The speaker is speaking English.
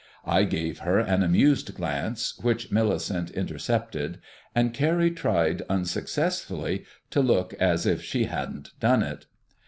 I gave her an amused glance, which Millicent intercepted, and Carrie tried, unsuccessfully, to look as if she hadn't done it.